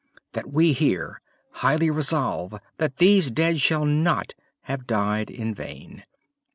.. that we here highly resolve that these dead shall not have died in vain.